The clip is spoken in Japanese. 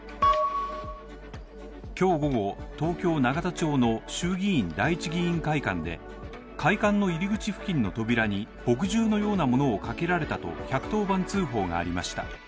今日午後、東京・永田町の衆議院第一議員会館で会館の入り口付近の扉に墨汁のようなものをかけられたと１１０番通報がありました。